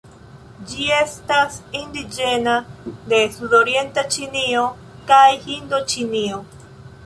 Ĝi estas indiĝena de sudorienta Ĉinio kaj Hindoĉinio.